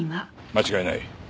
間違いない。